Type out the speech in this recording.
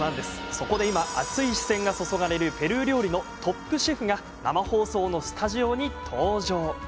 そこで、今、熱い視線が注がれるペルー料理のトップシェフが生放送のスタジオに登場！